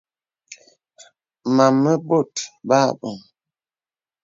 Mām mə bōt bə aboŋ.